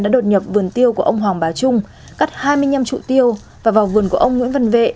đã đột nhập vườn tiêu của ông hoàng bà trung cắt hai mươi năm trụ tiêu và vào vườn của ông nguyễn văn vệ